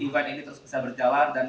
tim yang berhasil menjadi juara adalah